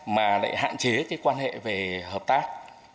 mà lại hạn chế cái quan hệ về hợp tác